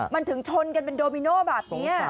มันถึงชนกันเป็นโดมิโน่แบบนี้